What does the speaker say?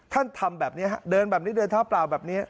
ทำแบบนี้ฮะเดินแบบนี้เดินเท้าเปล่าแบบนี้